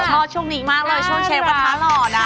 ชอบโชคนิกมากเลยชอบเชฟกระทะหล่อนะ